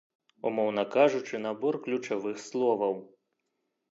Умоўна кажучы, набор ключавых словаў.